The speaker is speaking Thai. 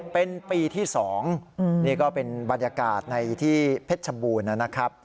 เป็นปีที่๒นี่ก็เป็นบรรยากาศในที่เพชรชบูรณ์นะครับ